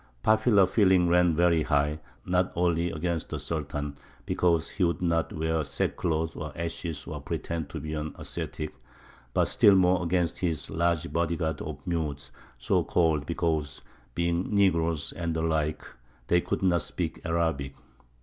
Popular feeling ran very high, not only against the Sultan, because he would not wear sackcloth and ashes or pretend to be an ascetic, but still more against his large body guard of "Mutes," so called because, being negroes and the like, they could not speak Arabic.